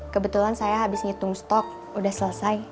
kebetulan saya habis ngitung stok udah selesai